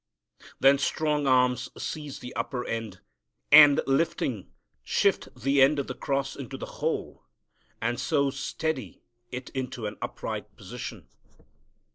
Then strong arms seize the upper end, and, lifting, shift the end of the cross into the hole, and so steady it into an upright position.